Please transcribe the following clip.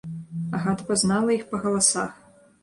Агата пазнала іх па галасах.